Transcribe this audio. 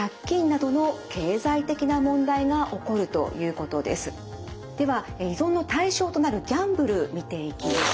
まず１つはそしてでは依存の対象となるギャンブル見ていきましょう。